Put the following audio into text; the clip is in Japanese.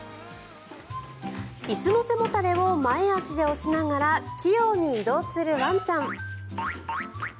椅子の背もたれを前足で押しながら器用に移動するワンちゃん。